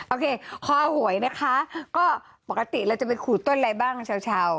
โอเคคอหวยนะคะก็ปกติเราจะไปขูดต้นอะไรบ้างชาว